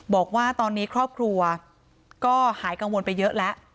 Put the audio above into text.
บอกว่าตอนนี้ครอบครัวก็หายกังวลไปเยอะแล้ว